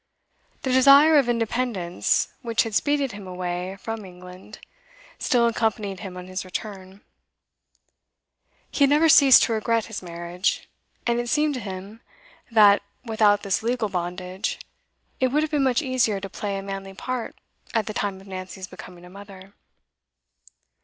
The desire of independence which had speeded him away from England still accompanied him on his return; he had never ceased to regret his marriage, and it seemed to him that, without this legal bondage, it would have been much easier to play a manly part at the time of Nancy's becoming a mother.